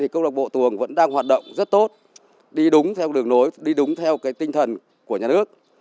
công lạc bộ tuồng vẫn đang hoạt động rất tốt đi đúng theo đường lối đi đúng theo tinh thần của nhà nước